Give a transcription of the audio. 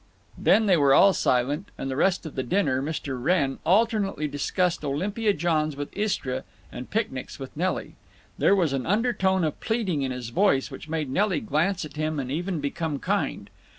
Then they were all silent, and the rest of the dinner Mr. Wrenn alternately discussed Olympia Johns with Istra and picnics with Nelly. There was an undertone of pleading in his voice which made Nelly glance at him and even become kind.